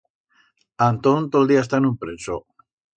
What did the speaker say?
Antón to'l día está en un prenso.